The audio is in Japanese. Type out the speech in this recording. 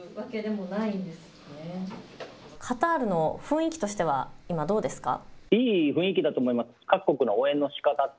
カタールの雰囲気としては今、どうですか。